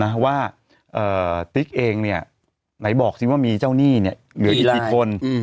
นะว่าเอ่อติ๊กเองเนี้ยไหนบอกสิว่ามีเจ้าหนี้เนี้ยเหนื่อยอีกสิบคนอืม